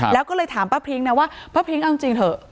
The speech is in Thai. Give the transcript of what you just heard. แล้วก็เลยถามป้าพริ้งนะว่าป้าพริ้งเอาจริงเถอะ